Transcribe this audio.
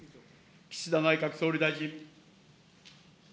岸田内閣総理大臣。